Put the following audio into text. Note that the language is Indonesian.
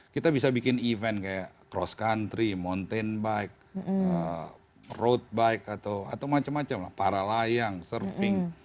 kita bisa bikin event kayak cross country mountain bike road bike atau macam macam lah para layang surfing